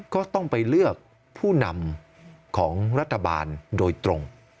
ก็ต้องไปเลือกผู้นำของรัฐบาลโดยตรง